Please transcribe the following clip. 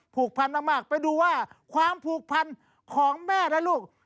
ผูกพันมากไปดูว่าความผูกพันของแม่และลูก